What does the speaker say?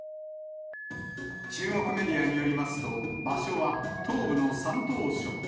中国メディアによりますと、場所は東部の山東省。